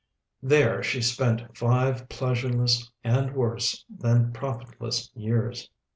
There she spent five pleasureless and worse than profitless years.